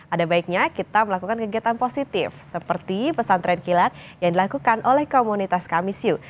ada baiknya kita melakukan kegiatan positif seperti pesantren kilat yang dilakukan oleh komunitas kamisyu